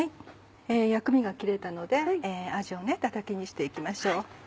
薬味が切れたのであじをたたきにして行きましょう。